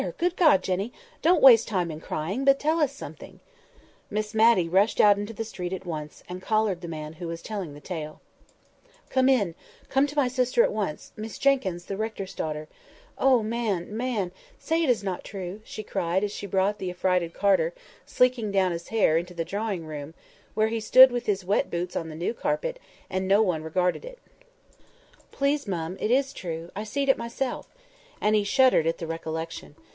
Good God! Jenny, don't waste time in crying, but tell us something." Miss Matty rushed out into the street at once, and collared the man who was telling the tale. [Picture: She brought the affrighted carter ... into the drawing room] "Come in—come to my sister at once, Miss Jenkyns, the rector's daughter. Oh, man, man! say it is not true," she cried, as she brought the affrighted carter, sleeking down his hair, into the drawing room, where he stood with his wet boots on the new carpet, and no one regarded it. "Please, mum, it is true. I seed it myself," and he shuddered at the recollection.